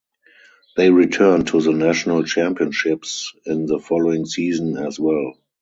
They returned to the National Championships in the following season as well.